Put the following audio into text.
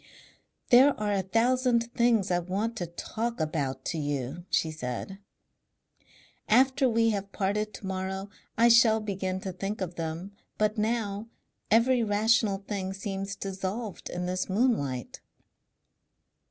"There are a thousand things I want to talk about to you," she said. "After we have parted to morrow I shall begin to think of them. But now every rational thing seems dissolved in this moonlight...."